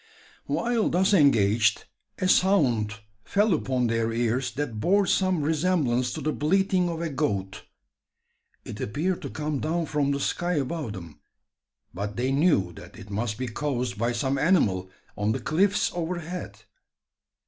While thus engaged, a sound fell upon their ears that bore some resemblance to the bleating of a goat. It appeared to come down from the sky above them; but they knew that it must be caused by some animal on the cliffs overhead.